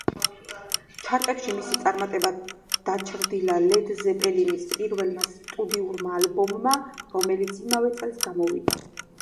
ჩარტებში მისი წარმატება დაჩრდილა ლედ ზეპელინის პირველმა სტუდიურმა ალბომმა, რომელიც იმავე წელს გამოვიდა.